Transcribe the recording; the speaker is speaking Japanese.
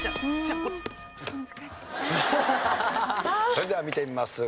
それでは見てみます。